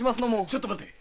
ちょっと待て。